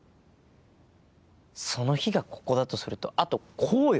その日がここだとするとあとこうよ